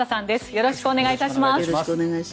よろしくお願いします。